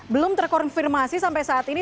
belum terkonfirmasi sampai saat ini